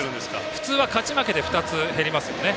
普通は勝ち負けで２つ減りますよね。